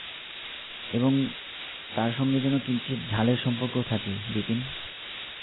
এবং তার সঙ্গে যেন কিঞ্চিৎ ঝালের সম্পর্কও থাকে– বিপিন।